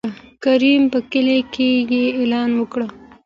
کريم په کلي کې يې اعلان وکړ.